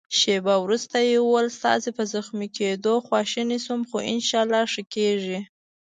شېبه وروسته يې وویل: ستاسي په زخمي کېدو خواشینی شوم، خو انشاالله ښه کېږې.